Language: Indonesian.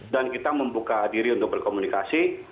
dan kita membuka diri untuk berkomunikasi